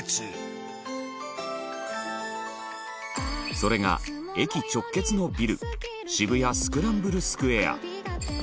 それが、駅直結のビル渋谷スクランブルスクエア